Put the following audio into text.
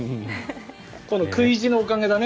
この食い意地のおかげだね